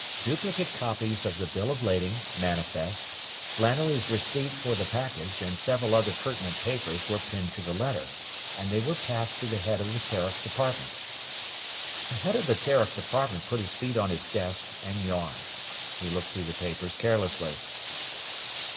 Duplicate copies of the bill of lading, manifest, Flannery's receipt for the package and several other pertinent papers were pinned to the letter, and they were passed to the head of the Tariff Department. The head of the Tariff Department put his feet on his desk and yawned. He looked through the papers carelessly.